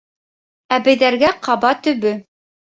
Әбейҙәргә ҡаба төбө